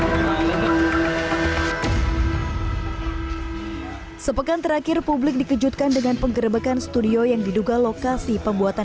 hai sepekan terakhir publik dikejutkan dengan penggerebekan studio yang diduga lokasi pembuatan